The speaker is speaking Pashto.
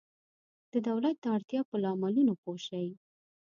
د دولت د اړتیا په لاملونو پوه شئ.